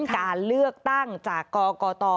การเลือกตั้งจากกกต